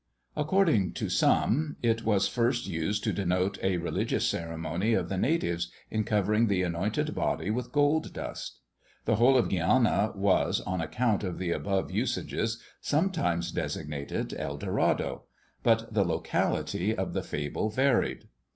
According to some, it was first used to denote a religious ceremony of the natives, in covering the anointed body with gold dust. The whole of Guiana was, on account of the above usages, sometimes designated El Dorado; but the locality of the fable varied.